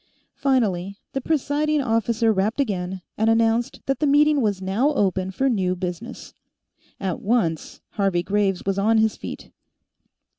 Finally, the presiding officer rapped again and announced that the meeting was now open for new business. At once, Harvey Graves was on his feet.